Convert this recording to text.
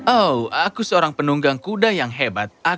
oh aku seorang penunggang kuda yang hebat